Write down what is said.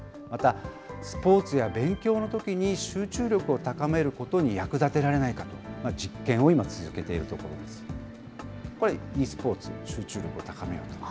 またスポーツや勉強のときに集中力を高めることに役立てられないか、実験を今、続けているところです。ですよね。